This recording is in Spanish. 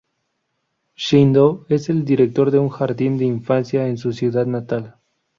Shindo es el director de un jardín de infancia en su ciudad natal.